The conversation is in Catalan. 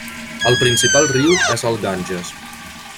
El principal riu és el Ganges.